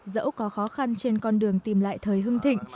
dẫu có khó khăn trên con đường tìm lại thời hưng thịnh